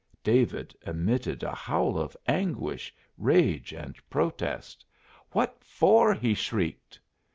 David emitted a howl of anguish, rage, and protest. "What for?" he shrieked.